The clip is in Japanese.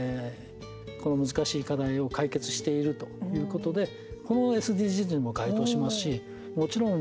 この難しい課題を解決しているということでこのＳＤＧｓにも該当しますしもちろん